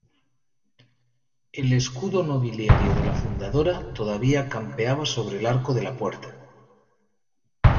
el escudo nobiliario de la fundadora todavía campeaba sobre el arco de la puerta.